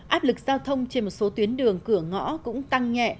áp lực giao thông trên một số tuyến đường cửa ngõ cũng tăng nhẹ